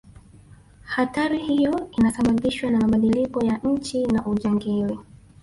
hatari hiyo inasababishwa na mabadiliko ya nchi na ujangili